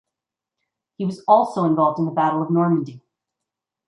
He also was involved in the Battle of Normandy.